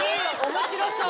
面白そう。